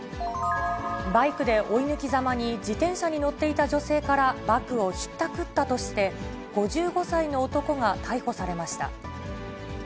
バイクで追い抜きざまに、自転車に乗っていた女性からバッグをひったくったとして、５５歳の男が逮捕されました。